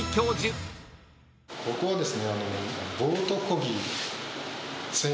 ここはですね。